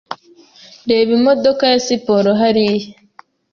Reba imodoka ya siporo hariya.